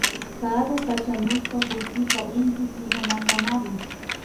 Karu kachamushka kullkika Inti killamantamari